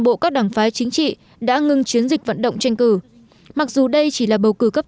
bộ các đảng phái chính trị đã ngừng chiến dịch vận động tranh cử mặc dù đây chỉ là bầu cử cấp